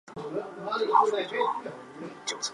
毕业于中共中央党校。